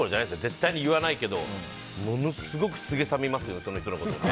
絶対に言わないけどものすごくさげすみますよその人のこと。